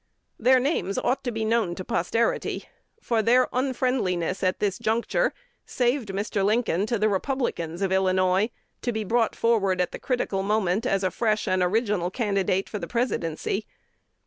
Their names ought to be known to posterity, for their unfriendliness at this juncture saved Mr. Lincoln to the Republicans of Illinois, to be brought forward at the critical moment as a fresh and original candidate for the Presidency.